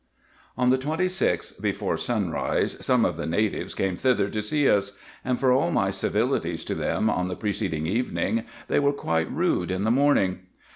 On the 26th, before sunrise, some of the natives came thither to see us, and for all my civilities to them on the preceding evening, they were quite rude in the morning.